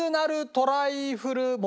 トライフル桃。